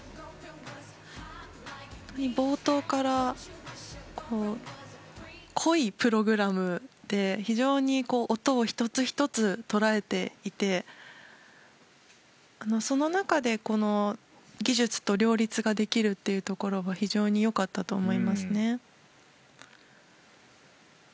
冒頭から濃いプログラムで非常に音を１つ１つ捉えていてその中で技術と両立ができるところが非常に良かったと思いますね。